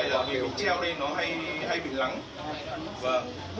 để cho cái bọt trong này bị treo đi nó hay bị lắng